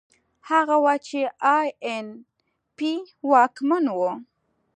هغه وخت چې اي این پي واکمن و.